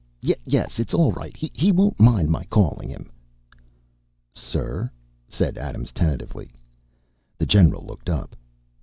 Yes, it's all right. He won't mind my calling him." "Sir," said Adams tentatively. The general looked up.